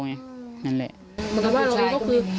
เหมือนว่าเราก็ได้ยินแค่เสียง